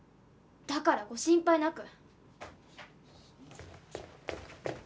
だからご心配なく。